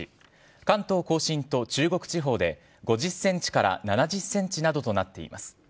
関東甲信と中国地方で５０ｃｍから７０ｃｍなどとなっています。